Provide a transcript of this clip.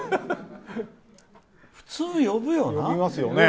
普通、呼ぶよな？